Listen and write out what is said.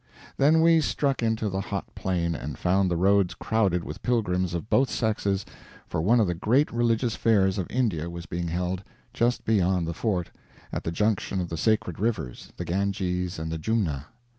Then we struck into the hot plain, and found the roads crowded with pilgrims of both sexes, for one of the great religious fairs of India was being held, just beyond the Fort, at the junction of the sacred rivers, the Ganges and the Jumna.